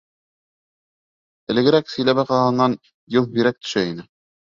Элегерәк Силәбе ҡалаһына юл һирәк төшә ине.